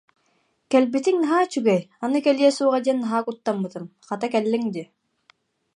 Кэлбитиҥ наһаа үчүгэй, аны кэлиэ суоҕа диэн наһаа куттаммытым, хата, кэллиҥ дии